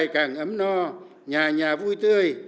vững no nhà nhà vui tươi